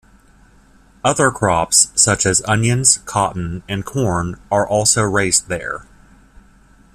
Other crops such as onions, cotton, and corn are also raised there.